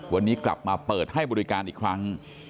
วันนี้กลับมาเปิดให้บริการอีกครั้ง